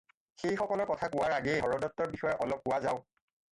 সেই সকলৰ কথা কোৱাৰ আগেয়ে হৰদত্তৰ বিষয়ে অলপ কোৱা যাওক।